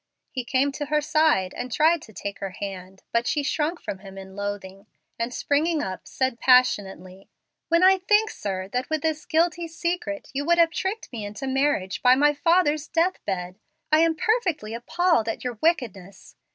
He came to her side and tried to take her hand, but she shrunk from him in loathing, and, springing up, said passionately, "When I think, sir, that with this guilty secret you would have tricked me into marriage by my father's death bed, I am perfectly appalled at your wickedness.